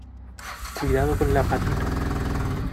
cuidado con la patita.